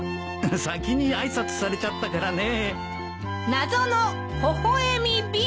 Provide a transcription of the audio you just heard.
先に挨拶されちゃったからね。